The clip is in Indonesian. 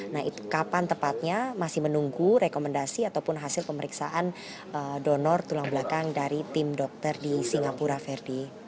nah itu kapan tepatnya masih menunggu rekomendasi ataupun hasil pemeriksaan donor tulang belakang dari tim dokter di singapura verdi